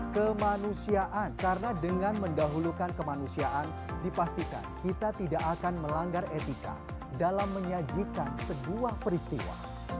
kemanusiaan karena dengan mendahulukan kemanusiaan dipastikan kita tidak akan melanggar etika dalam menyajikan sebuah peristiwa